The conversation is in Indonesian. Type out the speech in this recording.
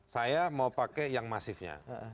saya mau pakai yang masifnya